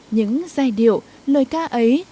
những giai điệu lời ca ấy